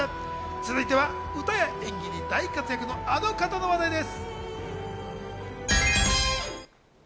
続いては歌や演技に大活躍のあの方の話題です。